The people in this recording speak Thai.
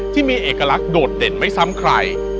ที่มีเอกลักษณ์โดดเด่นไม่ซ้ำใคร